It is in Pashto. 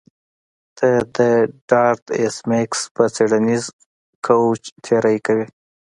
ته د ډارت ایس میکس په څیړنیز کوچ تیری کوې